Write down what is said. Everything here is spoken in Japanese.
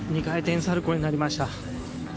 ２回転サルコーになりました。